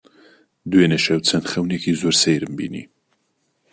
دوێنێ شەو چەند خەونێکی زۆر سەیرم بینی.